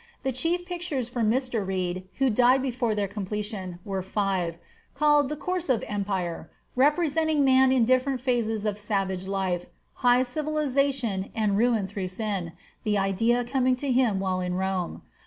The chief pictures for Mr. Reed, who died before their completion, were five, called "The Course of Empire," representing man in the different phases of savage life, high civilization, and ruin through sin, the idea coming to him while in Rome.